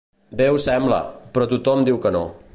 Bé ho sembla, però tothom diu que no.